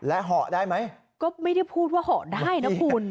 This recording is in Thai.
และห่อได้ไหมก็ไม่ได้พูดว่าเหาะได้นะคุณ